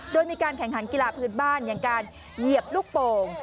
โดยมีการแข่งขันกีฬาพื้นบ้านอย่างการเหยียบลูกโป่ง